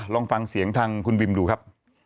ลองฟังเสียงทางคุณวิมดูครับ